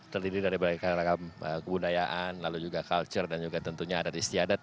terdiri dari berbagai ragam kebudayaan lalu juga culture dan juga tentunya adat istiadat